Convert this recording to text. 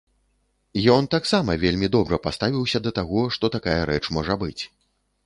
Ён таксама вельмі добра паставіўся да таго, што такая рэч можа быць.